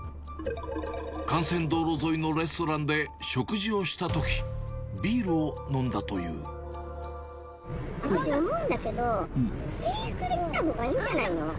幹線道路沿いのレストランで、食事をしたとき、ビールを飲んだ私、思うんだけど、制服で来たほうがいいんじゃないの？